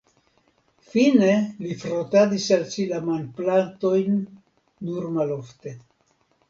Fine li frotadis al si la manplatojn nur malofte.